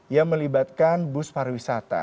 yang melibatkan bus pariwisata